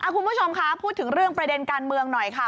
คุณผู้ชมคะพูดถึงเรื่องประเด็นการเมืองหน่อยค่ะ